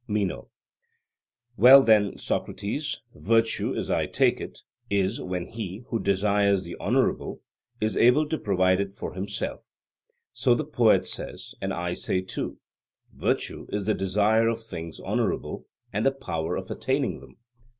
MENO: Well then, Socrates, virtue, as I take it, is when he, who desires the honourable, is able to provide it for himself; so the poet says, and I say too 'Virtue is the desire of things honourable and the power of attaining them.'